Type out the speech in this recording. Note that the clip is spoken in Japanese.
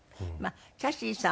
キャシーさん